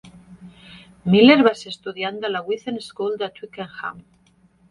Miller va ser estudiant de la Whitton School de Twickenham.